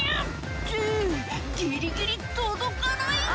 「ってギリギリ届かない！」